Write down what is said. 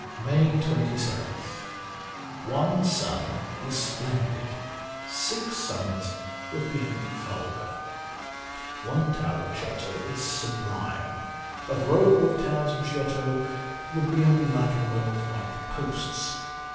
160 MAY 27th ONE Sun is splendid : six Suns would be only vulgar. One Tower of Giotto is sublime : a row of Towers of Giotto would be only like a row of white posts.